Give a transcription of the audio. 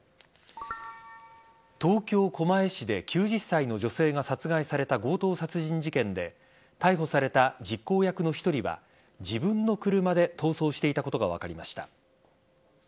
東京・狛江市で９０歳の女性が殺害された強盗殺人事件で逮捕された実行役の１人は自分の車で逃走していたことが分かりました。